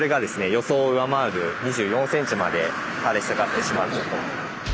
予想を上回る２４ｃｍまで垂れ下がってしまったと。